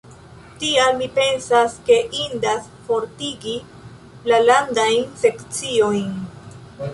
Tial, mi pensas ke indas fortigi la landajn sekciojn.